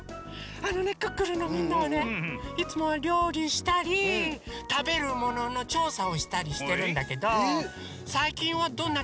あのね「クックルン」のみんなはねいつもはりょうりしたりたべるもののちょうさをしたりしてるんだけどさいきんはどんなちょうさしたの？